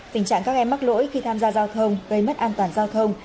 tình trạng các em mắc lỗi khi tham gia giao thông gây mất an toàn giao thông